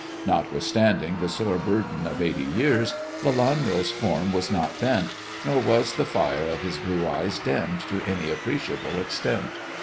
Not withstanding the sore burden of eighty years, Lelanro's form was not bent, nor was the fire in his blue eyes dimmed to any appreciable extent.